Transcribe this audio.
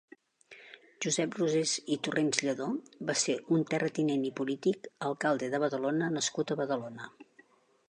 Josep Rosés i Torrents-Lladó va ser un terratinent i polític, alcalde de Badalona nascut a Badalona.